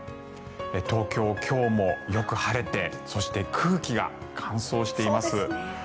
東京、今日もよく晴れてそして空気が乾燥しています。